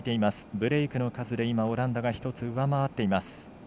ブレークの数で、オランダが１つ上回っています。